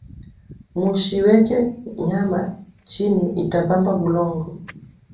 Mushi weke nyama chini ita bamba bulongo